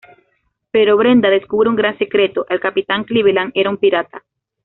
Pero Brenda descubre un gran secreto: el capitán Cleveland era una pirata.